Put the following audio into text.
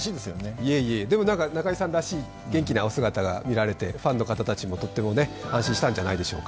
いえいえ、でも中居さんらしい元気な姿が見られてファンの方たちもとっても安心したんじゃないでしょうか。